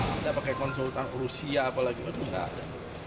nggak ada pakai konsultan rusia apalagi itu nggak ada